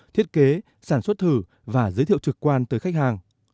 thiết kế sản xuất thử và giới thiệu trực quan tới khách hàng